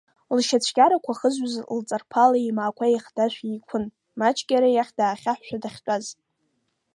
Лшьацәкьарақәа хызҩоз лҵарԥала еимаақәа еихдашәа еиқәын, маҷк иара иахь даахьаҳәшәа дахьтәаз.